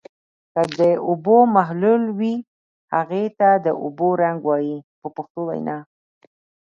که د اوبو محلل وي هغه ته د اوبو رنګ وایي په پښتو وینا.